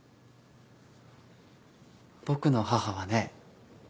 僕の母はね